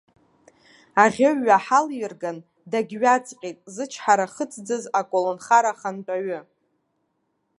Аӷьеҩ ҩаҳалирган, дагьҩаҵҟьеит, зычҳара хыҵӡаз, аколнхара ахантәаҩы.